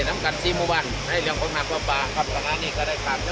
พวกมันกำลังพูดได้